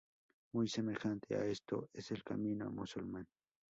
Muy semejante a esto es el camino musulmán.